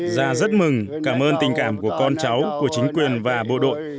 già rất mừng cảm ơn tình cảm của con cháu của chính quyền và bộ đội